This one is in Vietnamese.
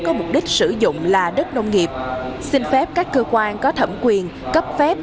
có mục đích sử dụng là đất nông nghiệp xin phép các cơ quan có thẩm quyền cấp phép